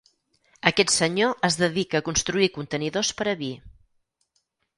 Aquest senyor es dedica a construir contenidors per a vi.